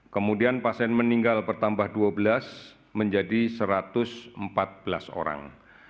kemudian pasien meninggal bertambah dua belas menjadi satu ratus empat belas orang